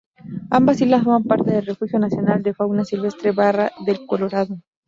Ambas islas forman parte del Refugio nacional de fauna silvestre Barra del Colorado.